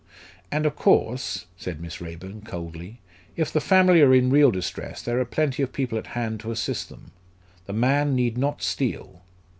"And of course," said Miss Raeburn, coldly, "if the family are in real distress there are plenty of people at hand to assist them. The man need not steal."